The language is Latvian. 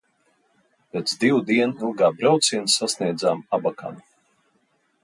Pēc divu dienu ilgā brauciena sasniedzām Abakanu.